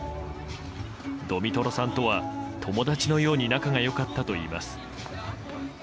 ドミトロさんとは友達のように仲が良かったといいます。